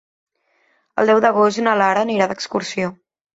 El deu d'agost na Lara anirà d'excursió.